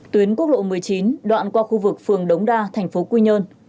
tuyến quốc lộ một mươi chín đoạn qua khu vực phường đống đa tp quy nhân